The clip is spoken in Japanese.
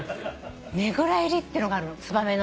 ねぐら入りっていうのがあるのツバメの。